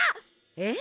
えっ！？